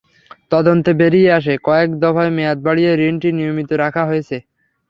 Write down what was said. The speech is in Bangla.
তদন্তে বেরিয়ে আসে, কয়েক দফায় মেয়াদ বাড়িয়ে ঋণটি নিয়মিত রাখা হয়েছে।